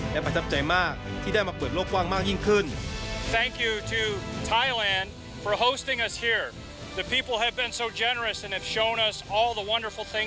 และประทับใจมากที่ได้มาเปิดโลกกว้างมากยิ่งขึ้น